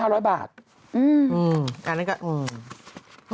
อันนี้ก็